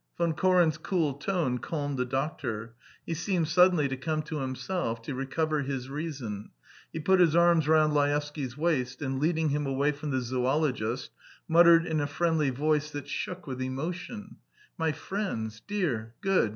Von Koren's cool tone calmed the doctor; he seemed suddenly to come to himself, to recover his reason; he put both arms round Laevsky's waist, and, leading him away from the zoologist, muttered in a friendly voice that shook with emotion: "My friends ... dear, good